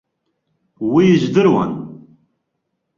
Уи здыруан.